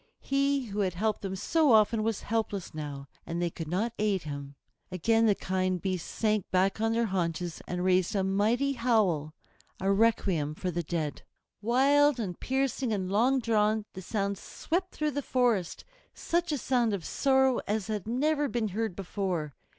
He who had helped them so often was helpless now, and they could not aid him. Again the kind beasts sank back on their haunches and raised a mighty howl, a requiem for the dead. Wild and piercing and long drawn, the sound swept through the forest, such a sound of sorrow as had never been heard before.